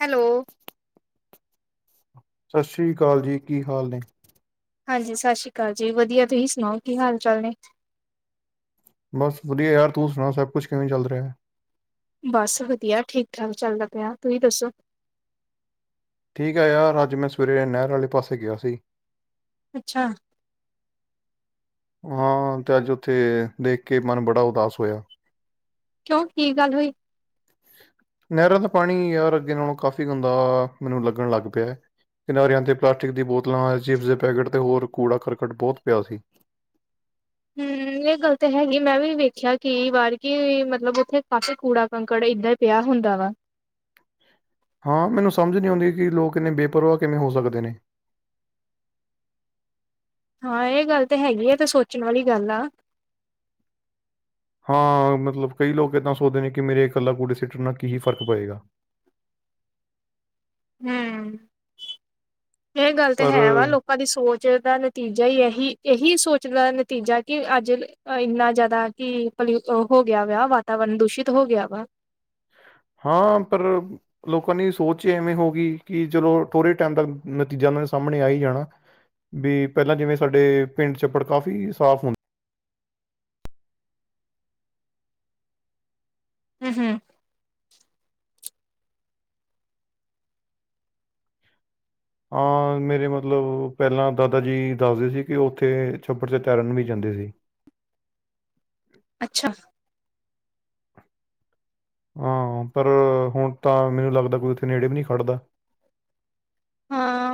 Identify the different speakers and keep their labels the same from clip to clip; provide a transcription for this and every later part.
Speaker 1: Hello.
Speaker 2: ਸਤਿ ਸ੍ਰੀ ਅਕਾਲ ਜੀ! ਕੀ ਹਾਲ ਨੇ?
Speaker 1: ਹਾਂਜੀ, ਸਤਿ ਸ਼੍ਰੀ ਅਕਾਲ ਜੀ, ਵਧੀਆ! ਤੁਸੀਂ ਸੁਣਾਓ, ਕੀ ਹਾਲ-ਚਾਲ ਨੇ?
Speaker 2: ਬਸ ਵਧੀਆ ਯਾਰ, ਤੂੰ ਸੁਣਾ ਸਭ ਕੁਛ ਕਿਵੇਂ ਚੱਲ ਰਿਹਾ?
Speaker 1: ਬਸ ਵਧੀਆ, ਠੀਕ-ਠਾਕ ਚੱਲਦਾ ਪਿਆ, ਤੁਸੀਂ ਦੱਸੋ?
Speaker 2: ਠੀਕ ਐ ਯਾਰ, ਅੱਜ ਮੈਂ ਸਵੇਰੇ ਨਹਿਰ ਵਾਲੇ ਪਾਸੇ ਗਿਆ ਸੀ।
Speaker 1: ਅੱਛਾ।
Speaker 2: ਹਾਂ, ਤੇ ਅੱਜ ਓਥੇ ਦੇਖ ਕੇ ਮਨ ਬੜਾ ਉਦਾਸ ਹੋਇਆ।
Speaker 1: ਕਿਉਂ ਕੀ ਗੱਲ ਹੋਈ?
Speaker 2: ਨਹਿਰਾਂ ਦਾ ਪਾਣੀ, ਯਾਰ, ਅੱਗੇ ਨਾਲੋਂ ਕਾਫ਼ੀ ਗੰਦਾ ਮੈਨੂੰ ਲੱਗਣ ਲੱਗ ਪਿਆ। ਕਿਨਾਰਿਆਂ 'ਤੇ ਪਲਾਸਟਿਕ ਦੀ ਬੋਤਲਾਂ, ਚਿਪਸ ਦੇ ਪੈਕੇਟ ਤੇ ਹੋਰ ਕੂੜਾ-ਕਰਕਟ ਬਹੁਤ ਪਿਆ ਸੀ।
Speaker 1: ਹੂੰ ਏਹ ਗੱਲ ਤਾਂ ਹੈਗੀ ਐਂ, ਮੈਂ ਵੀ ਵੇਖਿਆ ਕਈ ਵਾਰ ਕਿ ਮਤਲਬ ਉੱਥੇ ਕਾਫੀ ਕੂੜਾ ਕੜਾ ਏਦਾਂ ਈ ਪਿਆ ਹੁੰਦਾ ਵਾ।
Speaker 2: ਹਾਂ, ਮੈਨੂੰ ਸਮਝ ਨਈ ਆਉਂਦੀ ਕਿ ਲੋਕ ਏਨੇ ਬੇਪਰਵਾਹ ਕਿਵੇਂ ਹੋ ਸਕਦੇ ਨੇ।
Speaker 1: ਹਾਂ, ਏਹ ਗੱਲ ਤਾਂ ਹੈਗੀ ਐਂ, ਤੇ ਸੋਚਣ ਵਾਲੀ ਗੱਲ ਆ।
Speaker 2: ਹਾਂ, ਮਤਲਬ ਕਈ ਲੋਕ ਏਦਾਂ ਸੋਚਦੇ ਨੇ ਕਿ ਮੇਰੇ ਇਕੱਲਾ ਕੂੜੇ ਸਿਟਣ ਨਾਲ ਕੀ ਫ਼ਰਕ ਪਏਗਾ।
Speaker 1: ਹਮ, ਏਹ ਗੱਲ ਤੇ ਹੈ ਵਾ
Speaker 2: ਪਰ
Speaker 1: ਲੋਕ ਕਾ ਦੀ ਸੋਚ ਦਾ ਨਤੀਜਾ ਈ ਐਹੀ ਏਹੀ ਸੋਚ ਦਾ ਨਤੀਜਾ ਕਿ ਅੱਜ ਐਨਾ ਜ਼ਿਆਦਾ ਕਿ ਪਲਿਊਸ ਓ ਹੋ ਗਿਆ ਵਾ, ਵਾਤਾਵਰਨ ਦੂਸ਼ਿਤ ਹੋ ਗਿਆ ਵਾ।
Speaker 2: ਹਾਂ, ਪਰ ਲੋਕਾਂ ਦੀ ਸੋਚ ਈ ਇਵੇਂ ਹੋ ਗਈ ਕਿ ਚਲੋ, ਥੋੜੇ ਟੈਮ ਤੱਕ ਨਤੀਜਾ ਮੇਰੇ ਸਾਹਮਣੇ ਆਈ ਜਾਣਾ। ਵੀ ਪਹਿਲਾ ਜਿਵੇਂ ਸਾਡੇ ਪਿੰਡ ਛੱਪੜ ਕਾਫੀ ਸਾਫ਼ ਹੁੰਦ
Speaker 1: ਹੂੰ-ਹੂੰ।
Speaker 2: ਹਾਂ, ਮੇਰੇ ਮਤਲਬ ਪਹਿਲਾ ਦਾਦਾ ਜੀ ਦੱਸਦੇ ਸੀ ਕਿ ਉੱਥੇ ਛੱਪੜ 'ਤੇ ਤੈਰਨ ਵੀ ਜਾਂਦੇ ਸੀ।
Speaker 1: ਅੱਛਾ।
Speaker 2: ਹਾਂ, ਪਰ ਹੁਣ ਤਾਂ ਮੈਨੂੰ ਲੱਗਦਾ ਕੋਈ ਉੱਥੇ ਨੇੜੇ ਵੀ ਨਹੀਂ ਖੜਦਾ।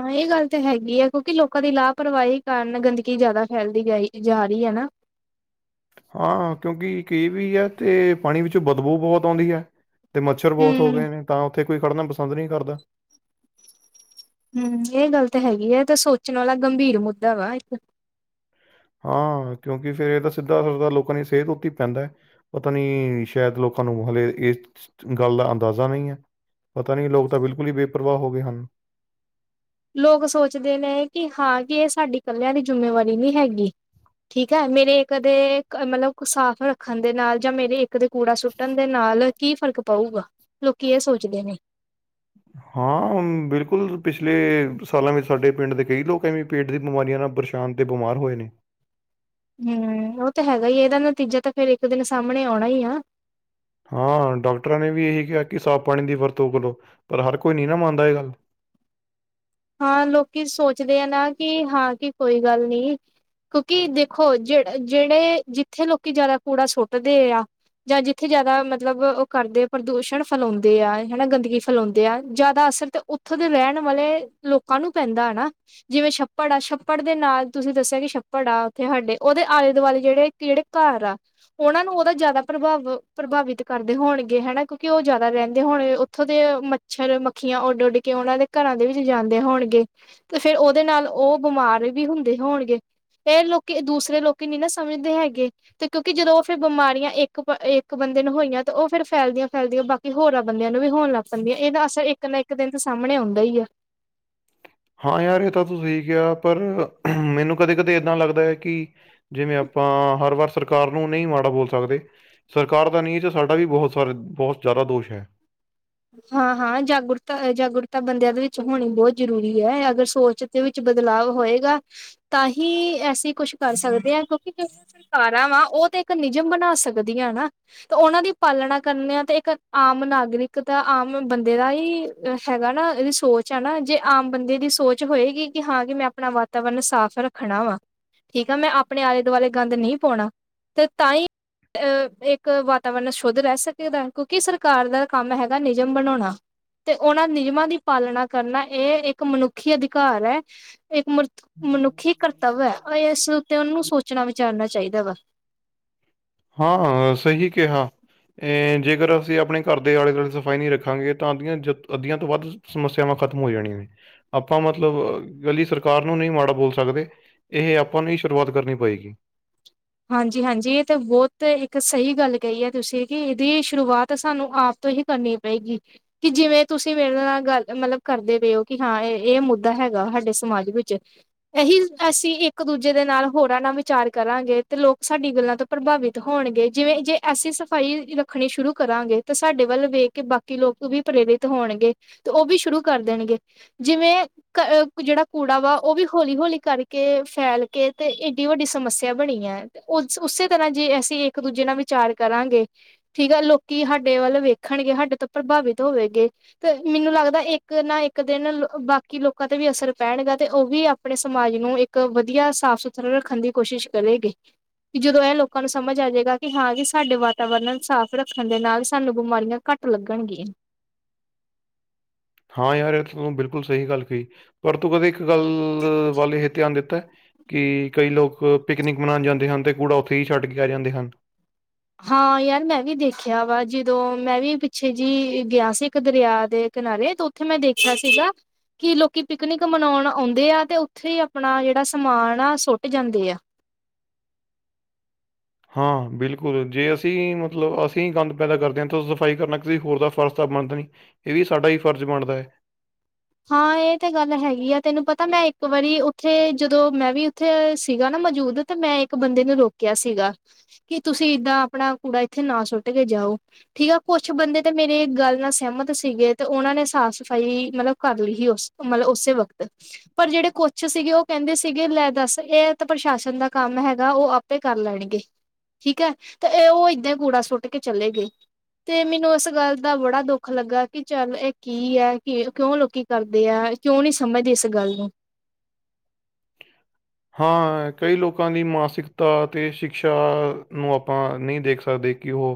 Speaker 1: ਹਾਂ, ਇਹ ਗੱਲ ਤੇ ਹੈਗੀ ਐ, ਕਿਉਂਕਿ ਲੋਕਾਂ ਦੀ ਲਾਪਰਵਾਹੀ ਕਾਰਨ ਗੰਦਗੀ ਜ਼ਿਆਦਾ ਫੈਲਦੀ ਜਾਈ ਜਾ ਰਹੀ ਐ ਨਾ।
Speaker 2: ਹਾਂ, ਕਿਉਂਕਿ ਇਕ ਏ ਵੀ ਐ ਤੇ ਪਾਣੀ ਵਿੱਚੋਂ ਬਦਬੂ ਬਹੁਤ ਆਉਂਦੀ ਐ। ਤੇ ਮੱਛਰ ਬਹੁਤ ਹੋ
Speaker 1: ਹੂੰ
Speaker 2: ਗਏ ਨੇ, ਤਾਂ ਉੱਥੇ ਕੋਈ ਖੜਨਾ ਪਸੰਦ ਨਹੀਂ ਕਰਦਾ।
Speaker 1: ਹਮ, ਇਹ ਗੱਲ ਤਾਂ ਹੈਗੀ ਆ, ਏ ਤਾਂ ਸੋਚਣ ਵਾਲਾ ਗੰਭੀਰ ਮੁੱਦਾ ਵਾ ਇੱਕ।
Speaker 2: ਹਾਂ, ਕਿਉਂਕਿ ਫੇਰ ਇਹ ਤਾਂ ਸਿੱਧਾ ਅਸਰ ਲੋਕਾਂ ਦੀ ਸਿਹਤ ਉੱਤੇ ਹੀ ਪੈਂਦਾ। ਪਤਾ ਨਹੀਂ, ਸ਼ਾਇਦ ਲੋਕਾਂ ਨੂੰ, ਹਾਲੇ ਇਸ ਗੱਲ ਦਾ ਅੰਦਾਜ਼ਾ ਨਹੀਂ ਹੈ। ਪਤਾ ਨਹੀਂ ਲੋਕ ਤਾਂ ਬਿਲਕੁਲ ਹੀ ਬੇਪਵਾਹ ਹੋ ਗਏ ਹਨ।
Speaker 1: ਲੋਕ ਸੋਚਦੇ ਨੇ ਕਿ ਹਾਂ ਕਿ ਇਹ ਸਾਡੀ ਕੱਲਿਆਂ ਦੀ ਜਿੰਮੇਵਾਰੀ ਨਹੀਂ ਹੈਗੀ। ਠੀਕ ਹੈ, ਮੇਰੇ ਇੱਕ ਦੇ ਮਤਲਬ ਸਾਫ਼ ਰੱਖਣ ਦੇ ਨਾਲ ਜਾਂ ਮੇਰੇ ਇੱਕ ਦੇ ਕੂੜਾ ਸੁ ਸੁਟਣ ਦੇ ਨਾਲ ਕੀ ਫ਼ਰਕ ਪਊਗਾ ਲੋਕੀ ਇਹ ਸੋਚਦੇ ਨੇ।
Speaker 2: ਹ ਹਾਂ, ਬਿਲਕੁਲ ਪਿਛਲੇ ਸਾਲਾਂ ਵਿੱਚ ਸਾਡੇ ਪਿੰਡ ਦੇ ਕਈ ਲੋਕ ਐਵੇਂ ਪੇਟ ਦੀ ਬਿਮਾਰੀਆਂ ਨਾਲ ਪਰੇਸ਼ਾਨ ਤੇ ਬਿਮਾਰ ਹੋਏ ਨੇ।
Speaker 1: ਹੁੰ, ਉਹ ਤੇ ਹੈਗਾ ਹੀ ਏ, ਇਹਦਾ ਨਤੀਜਾ ਤਾਂ ਫੇਰ ਇੱਕ ਦਿਨ ਸਾਹਮਣੇ ਆਉਣਾ ਈ ਆ।
Speaker 2: ਹਾਂ, ਡਾਕਟਰਾਂ ਨੇ ਵੀ ਇਹੀ ਕਿਹਾ ਕਿ ਸਾਫ਼ ਪਾਣੀ ਦੀ ਵਰਤੋਂ ਕਰੋ, ਪਰ ਹਰ ਕੋਈ ਨਹੀਂ ਨਾ ਮੰਨਦਾ ਇਹ ਗੱਲ।
Speaker 1: ਹਾਂ, ਲੋਕੀ ਸੋਚਦੇ ਆ ਨਾ, ਕਿ ਹਾਂ ਕਿ ਕੋਈ ਗੱਲ ਨਹੀਂ। ਕੁਕੀ ਦੇਖੋ, ਜਿਹ-ਜਿਹੜੇ ਜਿੱਥੇ ਲੋਕੀ ਜ਼ਿਆਦਾ ਕੂੜਾ ਸੁੱਟਦੇ ਆ। ਜਾਂ ਜਿੱਥੇ ਜ਼ਿਆਦਾ ਮਤਲਬ ਉਹ ਕਰਦੇ ਆ ਪ੍ਰਦੂਸ਼ਣ ਫੈਲਾਉਂਦੇ ਆ ਹਨਾ, ਗੰਦਗੀ ਫੈਲਾਉਂਦੇ ਆ ਜ਼ਿਆਦਾ ਅਸਰ ਤੇ ਉੱਥੋਂ ਦੇ ਰਹਿਣ ਵਾਲੇ ਲੋਕਾਂ ਨੂੰ ਪੈਂਦਾ ਹਨਾ। ਜਿਵੇਂ ਛੱਪੜ ਆ ਛੱਪੜ ਦੇ ਨਾਲ ਤੁਸੀਂ ਦੱਸਿਆ ਕਿ ਛੱਪੜ ਆ ਉੱਥੇ ਸਾਡੇ ਉਹਦੇ ਆਲੇ ਦੁਆਲੇ ਜਿਹੜੇ ਕੇਹੜੇ ਕਰ ਆ। ਉਹਨਾਂ ਨੂੰ ਉਹਦਾ ਜ਼ਿਆਦਾ ਪ੍ਰਭਾਵ-ਪ੍ਰਭਾਵਿਤ ਕਰਦੇ ਹੋਣਗੇ, ਹਨਾ ਕਿਉਂਕਿ ਉਹ ਜ਼ਿਆਦਾ ਰਹਿੰਦੇ ਹੋਣੇ ਉੱਥੋਂ ਦੇ ਮੱਛਰ ਮੱਖੀਆਂ ਉੱਡ ਉੱਡ ਕੇ ਉਹਨਾਂ ਦੇ ਕਰਾਂ ਦੇ ਵਿੱਚ ਜਾਂਦੇ ਹੋਣਗੇ। ਤੇ ਫੇਰ ਉਹਦੇ ਨਾਲ ਉਹ ਬਿਮਾਰ ਵੀ ਹੁੰਦੇ ਹੋਣਗੇ। ਇਹ ਲੋਕੀ ਦੂਸਰੇ ਲੋਕੀ ਨੀ ਨਾ ਸਮਝਦੇ ਹੈਗੇ। ਤੇ ਕਿਉਂਕਿ ਜਦੋਂ ਉਹ ਫੇਰ ਬਿਮਾਰੀਆਂ ਇੱਕ ਇੱਕ ਬੰਦੇ ਨੂੰ ਹੋਈਆਂ, ਤਾਂ ਉਹ ਫੇਰ ਫੈਲਦੀਆਂ ਫੈਲਦੀਆਂ ਬਾਕੀ ਕਿ ਹੋਰਾਂ ਬੰਦਿਆਂ ਨੂੰ ਵੀ ਹੋਣ ਲੱਗ ਪੈਂਦੀਆਂ, ਇਹਦਾ ਅਸਰ ਇੱਕ ਨਾ ਇੱਕ ਦਿਨ ਤਾਂ ਸਾਹਮਣੇ ਆਉਂਦਾ ਹੀ ਆਂ।
Speaker 2: ਹਾਂ ਯਾਰ ਇਹ ਤਾਂ ਤੁ ਸਹੀ ਕਿਆ, ਪਰ ਮੈਨੂੰ ਕਦੇ ਕਦੇ ਏਦਾਂ ਲੱਗਦਾ ਐ ਕਿ ਜਿਵੇਂ ਆਪਾਂ ਹਰ ਵਾਰ ਸਰਕਾਰ ਨੂੰ ਨਹੀਂ ਮਾੜਾ ਬੋਲ ਸਕਦੇ। ਸਰਕਾਰ ਦਾ ਨੀ ਏਚ ਸਾਡਾ ਵੀ ਬਹੁਤ ਸਾਰੇ ਬਹੁਤ ਜ਼ਿਆਦਾ ਦੋਸ਼ ਐ।
Speaker 1: ਹਾਂ-ਹਾਂ, ਜਾਗੁਰਤਾ ਅ ਜਾਗੁਰਤਾ ਬੰਦਿਆਂ ਦੇ ਵਿੱਚ ਹੋਣੀ ਬਹੁਤ ਜ਼ਰੂਰੀ ਐ, ਅਗਰ ਸੋਚ ਦੇ ਵਿੱਚ ਬਦਲਾਵ ਹੋਏਗਾ, ਤਾਂ ਹੀ ਐਸੀਂ ਕੁਛ ਕਰ ਸਕਦੇ ਹਾਂ ਕਿਉਂਕਿ ਜ ਸਰਕਾਰਾਂ ਵਾ ਉਹ ਤੇ ਇੱਕ ਨਿਯਮ ਬਣਾ ਸਕਦੀਆਂ ਨਾ। ਤੇ ਉਹਨਾਂ ਦੀ ਪਾਲਣਾ ਕਰਨੇਂ ਆ, ਤੇ ਇੱਕ ਆਮ ਨਾਗਰਿਕ ਇੱਕ ਤਾਂ ਆਮ ਬੰਦੇ ਦਾ ਹੀ ਹੈਗਾ ਨਾ, ਇਹਦੀ ਸੋਚ ਐ ਨਾ ਜੇ ਆਮ ਬੰਦੇ ਦੀ ਸੋਚ ਹੋਏਗੀ ਕਿ ਹਾਂ, ਕਿ ਮੈਂ ਆਪਣਾ ਵਾਤਾਵਰਨ ਸਾਫ਼ ਰੱਖਣਾ ਵਾ, ਠੀਕ ਆ ਮੈਂ ਆਪਣੇ ਆਲੇ ਦੁਆਲੇ ਗੰਦ ਨਹੀਂ ਪਾਉਣਾ। ਤੇ ਤਾਂ ਈ ਇੱਕ ਵਾਤਾਵਰਨ ਸ਼ੁੱਧ ਰਹਿ ਸਕੇ ਦੈ, ਕਿਉਂਕਿ ਸਰਕਾਰ ਦਾ ਕੰਮ ਹੈਗਾ ਨਿਜਮ ਬਣਾਉਣਾ। ਤੇ ਉਹਨਾਂ ਨਿਜਮਾਂ ਦੀ ਪਾਲਣਾ ਕਰਨਾ ਇਹ ਇੱਕ ਮਨੁੱਖੀ ਅਧਿਕਾਰ ਐ, ਇੱਕ ਮ ਮਨੁੱਖੀ ਕਰਤੱਵ ਐ, ਇਸ ਉੱਤੇ ਉਹਨੂੰ ਸੋਚਣਾ ਵਿਚਾਰਨਾ ਚਾਹੀਦਾ ਵਾ।
Speaker 2: ਹਾਂ-ਹਾਂ, ਸਹੀ ਕਿਹਾ। ਜੇ ਜ਼ੇਕਰ ਅਸੀਂ ਆਪਣੇ ਕਰ ਦੇ ਆਲੇ ਦੁਆਲੇ ਸਫਾਈ ਨਹੀਂ ਰੱਖਾਂਗੇ ਤਾਂ ਅੱਧੀਆਂ ਜ ਅੱਧੀਆਂ ਤੋਂ ਵੱਧ ਸਮੱਸਿਆਵਾਂ ਖ਼ਤਮ ਹੋ ਜਾਣੀਆਂ ਨੇ, ਆਪਾਂ ਮਤਲਬ ਕਲੀ ਸਰਕਾਰ ਨੂੰ ਨਹੀਂ ਮਾੜਾ ਬੋਲ ਸਕਦੇ। ਇਹ ਆਪਾਂ ਨੂੰ ਹੀ ਸ਼ੁਰੂਆਤ ਕਰਨੀ ਪਏਗੀ।
Speaker 1: ਹਾਂਜੀ-ਹਾਂਜੀ, ਇਹ ਤਾਂ ਬਹੁਤ ਇੱਕ ਸਹੀ ਗੱਲ ਕਹੀ ਐ, ਤੁਸੀਂ ਕਿ ਇਹਦੀ ਸ਼ੁਰੂਆਤ ਸਾਨੂੰ ਆਪ ਤੋਂ ਹੀ ਕਰਨੀ ਪਏਗੀ। ਕਿ ਜਿਵੇਂ ਤੁਸੀਂ ਮੇਰੇ ਨਾਲ ਗੱਲ ਮਤਲਬ ਕਰਦੇ ਪਏ ਹੋ, ਕਿ ਹਾਂ ਇਹ ਇਹ ਮੁੱਦਾ ਹੈਗਾ ਸਾਡੇ ਸਮਾਜ ਵਿੱਚ। ਇਹੀ ਅਸੀਂ ਇੱਕ ਦੂਜੇ ਦੇ ਨਾਲ ਹੋਰਾਂ ਨਾਲ ਵਿਚਾਰ ਕਰਾਂਗੇ। ਤੇ ਲੋਕ ਸਾਡੀ ਗੱਲਾਂ ਤੋਂ ਪ੍ਰਭਾਵਿਤ ਹੋਣਗੇ, ਜਿਵੇਂ ਜੇ ਅਸੀਂ ਸਫ਼ਾਈ ਰੱਖਣੀ ਸ਼ੁਰੂ ਕਰਾਂਗੇ। ਤੇ ਸਾਡੇ ਵੱਲ ਵੇਖ ਕੇ ਬਾਕੀ ਲੋਕ ਵੀ ਪ੍ਰੇਰਿਤ ਹੋਣਗੇ, ਤੇ ਉਹ ਵੀ ਸ਼ੁਰੂ ਕਰ ਦੇਣਗੇ। ਜਿਵੇਂ ਅ ਜਿਹੜਾ ਕੂੜਾ ਵਾ ਉਹ ਵੀ ਹੌਲੀ-ਹੌਲੀ ਕਰਕੇ ਫੈਲ ਕੇ ਤੇ ਏਡੀ ਵੱਡੀ ਸਮੱਸਿਆ ਬਣੀ ਐ। ਤੇ ਉਸ ਉਸੇ ਤਰ੍ਹਾਂ ਜੇ ਅਸੀਂ ਇੱਕ ਦੂਜੇ ਨਾਲ ਵਿਚਾਰ ਕਰਾਂਗੇ ਠੀਕ ਆ ਲੋਕੀ ਹਾਡੇ ਵੱਲ ਵੇਖਣਗੇ, ਹਾਡੇ ਤੋਂ ਪ੍ਰਭਾਵਿਤ ਹੋਵੇਗੇ ਤੇ ਮਿਨੂੰ ਲੱਗਦਾ ਏੱਕ ਨਾ ਏੱਕ ਦਿਨ ਲ ਅ ਬਾਕੀ ਲੋਕਾਂ ਤੇ ਵੀ ਅਸਰ ਪੈਣਗਾ ਤੇ ਓ ਵੀ ਆਪਣੇ ਸਮਾਜ ਨੂੰ ਏੱ ਕ ਵਧੀਆ ਸਾਫ਼ ਸੁਥਰਾ ਰੱਖਣ ਦੀ ਕੋਸ਼ਿਸ਼ ਕਰੇਗੇ। ਵੀ ਜਦੋਂ ਐ ਲੋਕਾਂ ਨੂੰ ਸਮਝ ਆ ਜੇਗਾ ਕਿ ਹਾਂ ਕੇ ਸਾਡੇ ਵਾਤਾਵਰਨ ਸਾਫ਼ ਰੱਖਣ ਦੇ ਨਾਲ ਸਾਨੂੰ ਬਿਮਾਰੀਆਂ ਘੱਟ ਲੱਗਣਗੀਆਂ।
Speaker 2: ਹਾਂ ਯਾਰ ਐ ਤੂੰ ਬਿਲਕੁਲ ਸਈ ਗੱਲ ਕਈ, ਪਰ ਤੂੰ ਕਦੇ ਇੱਕ ਗੱਲ ਵੱਲ ਏਹ ਧਿਆਨ ਦਿੱਤੈ ਕਿ ਕਈ ਲੋਕ ਪਿਕਨਿਕ ਮਨਾਣ ਜਾਂਦੇ ਹਨ ਤੇ ਕੂੜਾ ਓਥੇ ਈ ਛੱਡ ਕੇ ਆ ਜਾਂਦੇ ਹਨ।
Speaker 1: ਹਾਂ ਯਾਰ ਮੈਂ ਵੀ ਦੇਖਿਆ ਵਾ, ਜਿਦੋਂ ਮੈਂ ਵੀ ਪਿੱਛੇ ਜੀ ਗਿਆ ਸੀ, ਇੱਕ ਦਰਿਆ ਦੇ ਕਿਨਾਰੇ ਤੋ ਓਥੇ ਮੈਂ ਦੇਖਿਆ ਸੀਗਾ ਕਿ ਲੋਕੀ ਪਿਕਨਿਕ ਮਨੌਣ ਆਉਂਦੇ ਆ ਤੇ ਉੱਥੇ ਹੀ ਆਪਣਾ ਜੇੜਾ ਸਮਾਨ ਆ ਸੁੱਟ ਜਾਂਦੇ ਆ।
Speaker 2: ਹਾਂ ਬਿਲਕੁਲ ਜੇ ਅਸੀਂ ਮਤਲਬ ਅਸੀਂ ਗੰਦ ਪੈਦਾ ਕਰਦੇ ਆਂ ਤੋ ਸਫਾਈ ਕਰਨਾ ਕਿਸੇ ਹੋਰ ਦਾ ਫਰਜ ਤਾਂ ਬਣਦਾ ਨਈ। ਏ ਵੀ ਸਾਡਾ ਈ ਫਰਜ਼ ਬਣਦੈ।
Speaker 1: ਹਾਂ ਏ ਤੇ ਗੱਲ ਹੈਗੀ ਆ। ਤੇਨੂੰ ਪਤਾ ਮੈਂ ਏੱਕ ਵਾਰੀ ਉੱਥੇ ਜਦੋਂ ਮੈਂ ਵੀ ਉੱਥੇ ਸੀਗਾ ਨਾ ਮੌਜੂਦ ਤੇ ਮੈਂ ਇੱਕ ਬੰਦੇ ਨੂੰ ਰੋਕਿਆ ਸੀਗਾ ਕਿ ਤੁਸੀ ਇਦਾਂ ਆਪਣਾ ਕੂੜਾ ਇੱਥੇ ਨਾ ਸੁੱਟ ਕੇ ਜਾਓ। ਠੀਕ ਆ, ਕੋਛ ਬੰਦੇ ਤੇ ਮੇਰੇ ਗੱਲ ਨਾਲ ਸਹਿਮਤ ਸੀਗੇ ਤੇ ਓਨਾਂ ਨੇ ਸਾਫ਼ ਸਫ਼ਾਈ ਮਤਲਬ ਕਰ ਲੀ ਹੀ ਓਸ ਮਤਲਬ ਓਸੇ ਵਕਤ ਪਰ ਜੇੜੇ ਕੋਛ ਸੀਗੇ ਓ ਕੈਂਦੇ ਸੀਗੇ ਲੈ ਦੱਸ ਏ ਤਾਂ ਪ੍ਰਸ਼ਾਸਨ ਦਾ ਕੰਮ ਹੈਗਾ ਓ ਆ। ਪੇ ਕਰ ਲੈਣਗੇ। ਠੀਕ ਐ ਤੇ ਏ ਓ ਏਦਾਂ ਈ ਕੁੜਾ ਸੁੱਟ ਕੇ ਚਲੇ ਗਏ ਤੇ ਮੈਨੂੰ ਓਸ ਗੱਲ ਦਾ ਬੜਾ ਦੁੱਖ ਲੱਗਾ ਐ ਕਿ ਚੱਲ ਏ ਕੀ ਐ ਕਿ ਕਿਓਂ ਲੋ ਕੀ ਕਰਦੇ ਆ। ਕਿਓਂ ਨੀ ਸਮਝਦੇ ਇਸ ਗੱਲ ਨੂੰ।
Speaker 2: ਹਾਂ, ਕਈ ਲੋਕਾਂ ਦੀ ਮਾਸਿਕਤਾ ਅਤੇ ਸ਼ਿਕਸ਼ਾ ਨੂੰ ਆਪਾਂ ਨਈ ਦੇਖ ਸਕਦੇ ਕਿ ਓ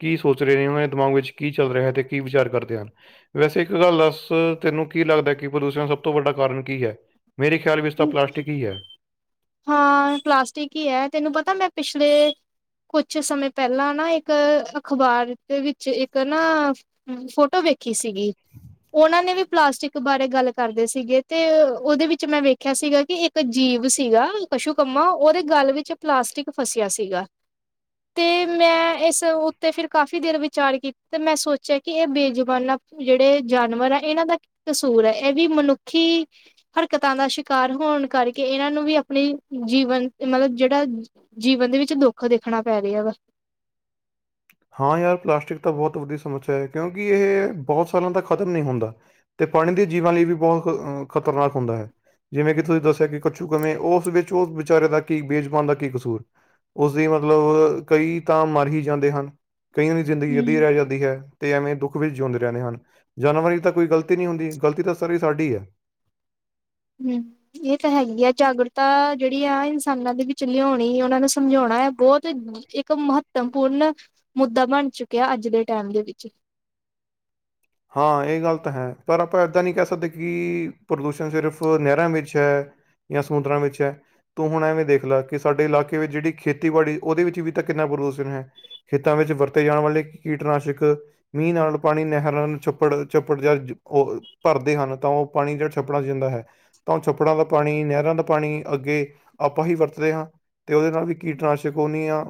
Speaker 2: ਕੀ ਸੋਚ ਰਏਂ ਓਨਾਂ ਦੇ ਦਮਾਗ ਵਿੱਚ ਕੀ ਚੱਲ ਰਿਹੈ ਤੇ ਕੀ ਵਿਚਾਰ ਕਰਦੇ ਹਨ। ਵੈਸੇ ਇੱਕ ਗੱਲ ਦੱਸ ਤੈਨੂੰ ਕੀ ਲੱਗਦਾ ਕਿ ਪ੍ਰਦੂਸ਼ਨ ਸਭ ਤੋਂ ਵੱਡਾ ਕਾਰਨ ਕੀ ਐ? ਮੇਰੇ ਖਿਆਲ ਵਿੱਚ ਤਾਂ ਪਲਾਸ਼ਟਿਕ ਈ ਐ।
Speaker 1: ਹਾਂ, ਪਲਾਸਟਿਕ ਈ ਐ। ਤੈਨੂੰ ਪਤੈ ਮੈਂ ਪਿਛਲੇ ਕੁਛ ਸਮੇ ਪੈਲਾਂ ਨਾ ਏੱਕ ਅਖ਼ਬਾਰ ਦੇ ਵਿੱਚ ਇੱਕ ਨਾ ਫੋਟੋ ਵੇਖੀ ਸੀਗੀ। ਓਨਾਂ ਨੇ ਵੀ ਪਲਾਸਟਿਕ ਬਾਰੇ ਗੱਲ ਕਰਦੇ ਸੀਗੇ ਤੇ ਓਦੇ ਵਿੱਚ ਮੈਂ ਵੇਖਿਆ ਸੀਗਾ ਕਿ ਇੱਕ ਜੀਵ ਸੀਗਾ ਕਸ਼ੂਕੰਮਾ ਓਦੇ ਗੱਲ ਵਿੱਚ ਪਲਾਸਟਿਕ ਫਸਿਆ ਸੀਗਾ ਤੇ ਮੈਂ ਏੱਸ ਉੱਤੇ ਫੇਰ ਕਾਫ਼ੀ ਦੇਰ ਵਿਚਾਰ ਕੀਤ ਤੇ ਮੈਂ ਸੋਚਿਆ ਕਿ ਏ ਬੇਜੁਬਾਨਾਂ ਜੜੇ ਜਾਨਵਰ ਐ ਏਨਾਂ ਦਾ ਕੀ ਕਸੂਰ ਐ, ਐ ਵੀ ਮਨੁੱਖੀ ਹਰਕਤਾਂ ਦਾ ਸ਼ਿਕਾਰ ਹੋਣ ਕਰਕੇ ਏਨਾਂ ਨੂੰ ਵੀ ਆਪਨੀ ਜੀਵਨ ਮਤਲਬ ਜੜਾ ਜੀਵਨ ਦੇ ਵਿੱਚ ਦੁੱਖ ਦੇਖਣਾ ਪੈ ਰਿਆ ਵਾ।
Speaker 2: ਹਾਂ ਯਾਰ ਪਲਾਸ਼ਟਿਕ ਤਾਂ ਬੋਤ ਵੱਧੀ ਸਮੱਸਿਆ ਐ ਕਿਉਂਕਿ ਏਹ ਬੋਹੋਤ ਸਾਲਾਂ ਤੱਕ ਖਤਮ ਨਈ ਹੁੰਦਾ। ਤੇ ਪਾਨੀ ਦੇ ਜੀਵਾਂ ਲਈ ਵੀ ਬੋਹੋਤ ਅ ਖ਼ਤਰਨਾਕ ਹੁੰਦਾ ਹੈ। ਜਿਵੇਂ ਕਿ ਤੁਸੀ ਦੱਸਿਐ ਕਿ ਕੱਛੂਕੰਮੇ ਓਸ ਵਿੱਚ ਓਸ ਵਿਚਾਰੇ ਦਾ ਕੀ ਬੇਜ਼ੁਬਾਨ ਦਾ ਕੀ ਕਸੂਰ। ਓਸਦੀ ਮਤਲਬ ਕਈ ਤਾਂ ਮਰ ਹੀ ਜਾਂਦੇ ਹਨ, ਕਈਆਂ ਦੀ ਜਿੰਦਗੀ ਅੱਧੀ
Speaker 1: ਹਮ
Speaker 2: ਰੈ ਜਾਂ ਦੀ ਹੈ ਤੇ ਐਵੇਂ ਦੁੱਖ ਵਿੱਚ ਜਿਉਂਦੇ ਰੈਂਦੇ ਹਨ। ਜਾਨਵਾਂ ਦੀ ਤਾਂ ਕੋਈ ਗਲਤੀ ਨੀ ਹੁੰਦੀ, ਗਲਤੀ ਤਾਂ ਸਾਰੀ ਸਾਡੀ ਐ।
Speaker 1: ਹੂੰ। ਏ ਤਾਂ ਹੈਗੀ ਐ ਜਾਗਰੁਤਾ ਜੜੀ ਐ, ਆ ਇਨਸਾਨਾਂ ਦੇ ਵਿੱਚ ਲਿਔਣੀ, ਓਨਾਂ ਨੂੰ ਸਮਝੌਣਾ ਐ, ਬੋਤ ਇੱਕ ਮਹੱਤਮਪੂਰੰ ਮੁੱਦਾ ਬਨ ਚੁੱਕਿਐ ਅੱਜ ਦੇ ਟੈਮ ਦੇ ਵਿੱਚ।
Speaker 2: ਹਾਂ, ਏ ਗੱਲ ਤਾਂ ਹੈ, ਪਰ ਆਪਾਂ ਇੱਦਾਂ ਨਈ ਕੈ ਸਕਦੇ ਕਿ ਪ੍ਰਦੂਸ਼ਨ ਸਿਰਫ ਨੈਰਾਂ ਵਿੱਚ ਹੈ ਯਾਂ ਸਮੁੰਦਰਾਂ ਵਿੱਚ ਐ। ਤੋ ਹੁਨ ਐ ਵੀ ਦੇਖ ਲੈ ਕਿ ਸਾਡੇ ਇਲਾਕੇ ਵਿੱਚ ਜੜੀ ਖੇਤੀਬਾੜੀ ਓਦੇ ਵਿੱਚ ਵੀ ਤਾਂ ਕਿੰਨਾ ਪ੍ਰਦੂਸਨ ਹੈ ਖੇਤਾਂ ਵਿੱਚ ਵਰਤੇ ਜਾਨ ਵਾਲੇ ਕੀਟਨਾਸ਼ਕ, ਮੀਂਅ ਨਾਲ, ਪਾਨੀ ਨਹਿਰ ਨਾਲ ਛੱਪੜ, ਚੱਪੜ ਜਾਂ ਜ ਓ ਭਰਦੇ ਹਨ ਤਾਂ ਓ ਪਾਨੀ ਜੜ ਛੱਪੜਾਂ 'ਚ ਜੰਦਾ ਹੈ ਤਾਂ ਓ ਛੱਪੜਾਂ ਦਾ ਪਾਨੀ, ਨੈਹਰਾਂ ਦਾ ਪਾਨੀ ਅੱਗੇ ਆਪਾਂ ਹੀ ਵਰਤਦੇ ਹਾਂ। ਤੇ ਓਦੇ ਨਾਲ ਵੀ ਕੀਟਨਾਸ਼ਕ ਓਨੀ ਆ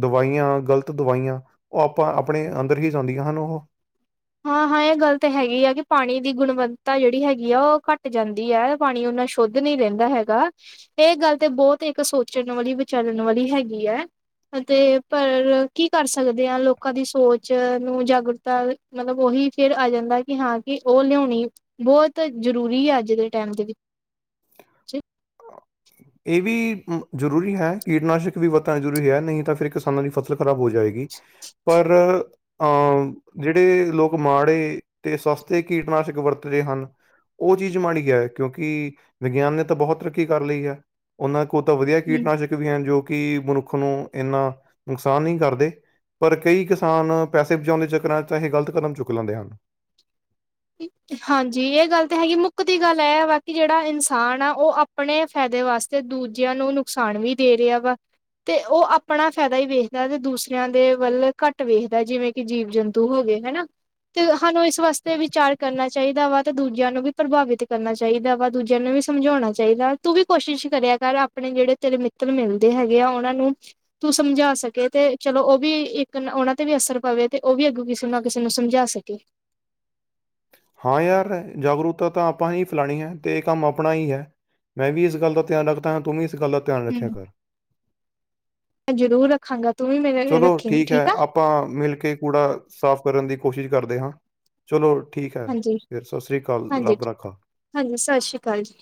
Speaker 2: ਦਵਾਈਆਂ, ਗਲਤ ਦਵਾਈਆਂ ਓ ਆਪਾਂ ਆਪਨੇ ਅੰਦਰ ਹੀ ਜਾਂਦੀਆਂ ਹਨ, ਓਹ।
Speaker 1: ਹਾਂ-ਹਾਂ, ਏ ਗੱਲ ਤੇ ਹੈਗੀ ਆ ਕਿ ਪਾਣੀ ਦੀ ਗੁਣਵੱਤਾ ਜੜੀ ਹੈਗੀ ਆ ਓ ਘੱਟ ਜਾਂਦੀ ਐ। ਪਾਣੀ ਓਨਾ ਸ਼ੌਧ ਨੀ ਰੈਂਦਾ ਹੈਗਾ। ਏ ਗੱਲ ਤੇ ਬੋਤ ਏੱਕ ਸੋਚਣ ਵਾਲੀ, ਵਿਚਰਨ ਵਾਲੀ ਹੈਗੀ ਐ। ਤੇ ਪਰ ਕੀ ਕਰ ਸਕਦੇ ਆਂ, ਲੋਕਾਂ ਦੀ ਸੋਚ ਨੂੰ ਜਾਗਰੂਕਤਾ ਮਤਲਬ ਓਹੀ ਫੇਰ ਆ ਜਾਂਦੈ ਕਿ ਹਾਂ ਕਿ ਓ ਲਿਔਣੀ ਬੋਤ ਜਰੂਰੀ ਐ, ਅੱਜ ਦੇ ਟੈਮ ਦੇ ਵਿੱਚ।
Speaker 2: ਏ ਵੀ ਜਰੂਰੀ ਹੈ, ਕੀਟਨਾਸ਼ਕ ਵੀ ਵਤੈ ਜ਼ਰੂਰੀ ਹੈ, ਨਈ ਤਾਂ ਫਿਰ ਏ ਕਿਸਾਨਾਂ ਦੀ ਫ਼ਸਲ ਖਰਾਬ ਹੋ ਜਾਏਗੀ। ਪਰ ਅੰ ਜੜੇ ਲੋਕ ਮਾੜੇ ਤੇ ਸਸਤੇ ਕੀਟਨਾਸ਼ਕ ਵਰਤਦੇ ਹਨ ਓ ਚੀਜ ਮਾੜੀ ਕ ਐ ਕਿਓਂਕਿ ਵਿਗਿਆਨ ਨੇ ਤਾਂ ਬੋਹੋਤ ਤਰੱਕੀ ਕਰ ਲਈ ਹੈ। ਓਨਾਂ ਕੋ ਤਾਂ ਵਧੀਆ
Speaker 1: ਹੂੰ
Speaker 2: ਕੀਟਨਾਸ਼ਕ ਵੀ ਹਨ ਜੋ ਕਿ ਮਨੁੱਖ ਨੂੰ ਏਨਾਂ ਨੁਕਸਾਨ ਨੀ ਕਰਦੇ। ਪਰ ਕਈ ਕਿਸਾਨ ਪੈਸੇ ਬਚਾਉਨ ਦੇ ਚੱਕਰਾਂ 'ਚ ਤਾਂਹੀ ਗਲਤ ਕਦਮ ਚੁੱਕ ਲੈਂਦੇ ਹਨ।
Speaker 1: ਹਾਂਜੀ, ਏ ਗੱਲ ਤੇ ਹੈਗੀ ਏ ਮੁੱਕਦੀ ਗੱਲ ਐ ਵਾ ਕਿ ਜੇੜਾ ਇਨਸਾਨ ਆ ਓ ਅਪ ਣੇ ਫੈਦੇ ਵਾਸਤੇ ਦੂਜਿਆਂ ਨੂੰ ਨੁਕਸਾਨ ਵੀ ਦੇ ਰਿਆ ਵਾ। ਤੇ ਓ ਆਪਣਾ ਫੈਦਾ ਈ ਵੇਖਦੈ ਤੇ ਦੂਸਰਿਆਂ ਦੇ ਵੱਲ ਘੱਟ ਵੇਖਦੈ ਜਿਵੇਂ ਕਿ ਜੀਵ-ਜੰਤੂ ਹੋ ਗੇ ਹੈਨਾ ਤੇ ਹਾਨੂੰ ਇਸ ਵਾਸਤੇ ਵਿ ਚਾਰ ਕਰਨਾ ਚਾਈਦਾ ਵਾ ਤੇ ਦੂਜਿਆਂ ਨੂੰ ਵੀ ਪ੍ਰਭਾਵਿਤ ਕਰਨਾ ਚਾਈਦਾ ਵਾ। ਦੂਜਿਆਂ ਨੂੰ ਵੀ ਸਮਝੌਣਾ ਚਾਈਦਾ ਤੂੰ ਵੀ ਕੋਸ਼ਿਸ਼ ਕਰਿਆ ਕਰ, ਆਪਣੇ ਜੇੜੇ ਤੇਰੇ ਮਿੱਤਰ ਮਿਲਦੇ ਹੈਗੇ ਆ, ਓਨਾਂ ਨੂੰ ਤੂੰ ਸਮਝਾ ਸਕੇ ਤੇ ਚਲੋ ਓ ਵੀ ਇੱਕ ਓਨਾ ਤੇ ਵੀ ਅਸਰ ਪਵੇ ਤੇ ਓ ਵੀ ਅੱਗੋਂ ਕਿਸੇ ਨਾਲ ਕਿਸੇ ਨੂੰ ਸਮਝਾ ਸਕੇ।
Speaker 2: ਹਾਂ ਯਾਰ ਐ ਜਾਗਰੂਤਾ ਤਾਂ ਆਪਾਂ ਹੀ ਫੈਲਾਣੀ ਹੈ ਤੇ ਇਹ ਕੰਮ ਆਪਣਾ ਹੀ ਐ। ਮੈਂ ਵੀ ਇਸ ਗੱਲ ਦਾ ਧਿਆਨ ਰੱਖਦਾ ਹਾਂ ਤੂੰ ਵੀ ਇਸ ਗੱਲ ਦਾ ਧਿਆਨ ਰੱਖਿਆ ਕਰ।
Speaker 1: ਜਰੂਰ ਰੱਖਾਂਗਾ। ਤੂੰ ਵੀ ਮੇਰੇ ਨੇ ਰੱਖੀ ਫੇਰ। ਠੀਕ ਆ?
Speaker 2: ਪਾਂ ਮਿਲ ਕੇ ਕੂੜਾ ਸਾਫ਼ ਕਰਨ ਦੀ ਕੋਸ਼ਿਸ਼ ਕਰਦੇ ਹਾਂ। ਚਲੋ ਠੀਕ ਐ।
Speaker 1: ਹਾਂਜੀ
Speaker 2: ਫਿਰ ਸਸ ਸ੍ਰੀ ਕਾਲ।
Speaker 1: ਹਾਂਜੀ
Speaker 2: ਰੱਬ ਰਾਖਾ।
Speaker 1: ਹਾਂਜੀ, ਸਸ ਸ਼੍ਰੀ ਕਾਲ ਜੀ।